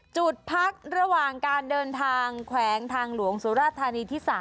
จุดพักระหว่างการเดินทางแขวงทางหลวงสุราธานีที่๓